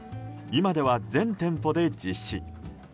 今では全店舗で実施。